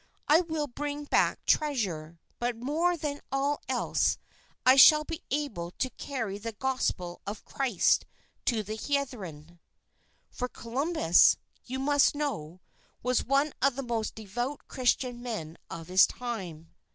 I will bring back treasure; but more than all else I shall be able to carry the Gospel of Christ to the heathen." For Columbus, you must know, was one of the most devout Christian men of his time.